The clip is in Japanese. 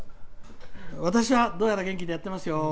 私はどうやら元気でやってますよ。